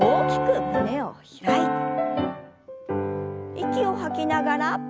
息を吐きながら。